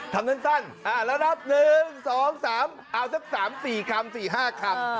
ทำสั้นหนึ่งสองสามสามสี่ห้าคำ